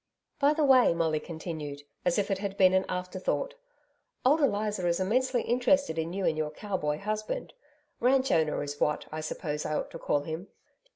'By the way,' Molly continued, as if it had been an afterthought 'Old Eliza is immensely interested in you and your cow boy husband ranch owner is what, I suppose, I ought to call him.